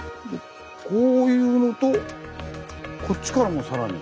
こういうのとこっちからもさらに。